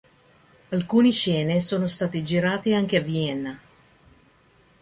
Alcune scene sono state girate anche a Vienna.